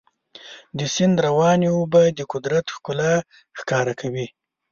د سیند روانې اوبه د قدرت ښکلا ښکاره کوي.